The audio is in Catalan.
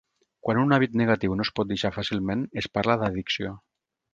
Quan un hàbit negatiu no es pot deixar fàcilment, es parla d'addicció.